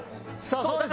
そうです。